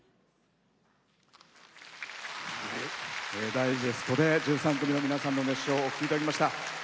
ダイジェストで１３組の皆さんの熱唱をお聴きいただきました。